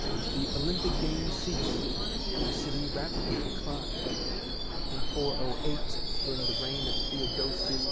the Olympic games ceased, and the city rapidly declined. In 408, during the reign of Theodosius II.